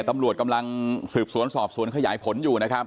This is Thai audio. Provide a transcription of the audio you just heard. ตำรวจกำลังสับสวนขยายผลอยู่นะครับ